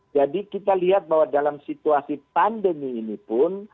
jadi kita lihat bahwa dalam situasi pandemi ini pun